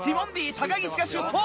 高岸が出走！